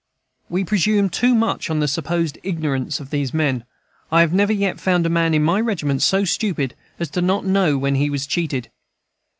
We presume too much on the supposed ignorance of these men. I have never yet found a man in my regiment so stupid as not to know when he was cheated.